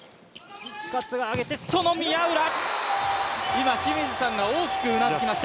今、清水さんが大きくうなずきました。